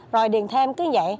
rồi điền thêm cứ vậy